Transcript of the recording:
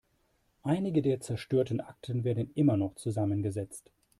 Einige der zerstörten Akten werden immer noch zusammengesetzt.